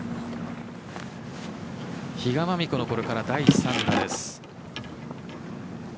比嘉真美子のこれから第３打です。